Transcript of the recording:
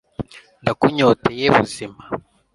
ndakunyoteye buzima